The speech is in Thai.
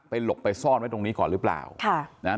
หลบไปซ่อนไว้ตรงนี้ก่อนหรือเปล่าค่ะนะฮะ